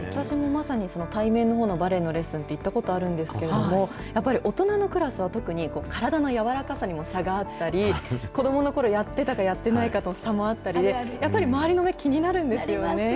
まさに対面のほうのバレエのレッスン、行ったことあるんですけど、やっぱり大人のクラスは特に、体の柔らかさにも差があったり、子どものころ、やってたか、やってないかの差もあったり、やっぱり周りの目、気になるんですね。